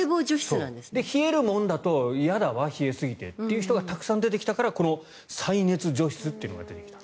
冷えるもんだと嫌だわ冷えすぎてという人がたくさん出てきたから再熱除湿というのが出てきた。